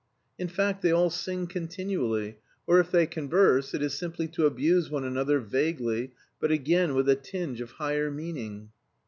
In fact, they all sing continually, or if they converse, it is simply to abuse one another vaguely, but again with a tinge of higher meaning.